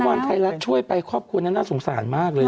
วันไทยรัฐช่วยไปครอบครัวนั้นน่าสงสารมากเลย